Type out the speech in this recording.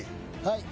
はい。